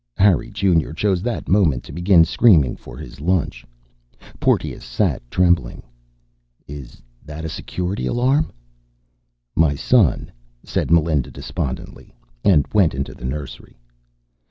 _ Harry Junior chose that moment to begin screaming for his lunch. Porteous sat, trembling. "Is that a Security Alarm?" "My son," said Melinda despondently, and went into the nursery.